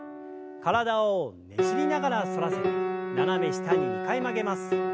体をねじりながら反らせて斜め下に２回曲げます。